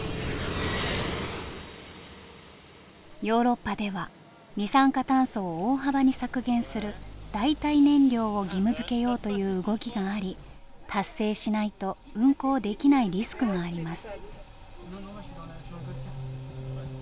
ヨーロッパでは二酸化炭素を大幅に削減する代替燃料を義務づけようという動きがあり達成しないと運航できないリスクがあります。